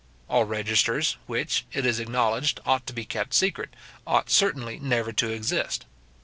All registers which, it is acknowledged, ought to be kept secret, ought certainly never to exist.